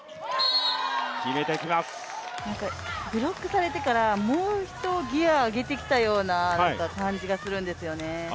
ブロックされてからもう１ギア上げてきたような感じがするんですよね。